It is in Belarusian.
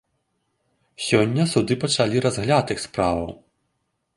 Сёння суды пачалі разгляд іх справаў.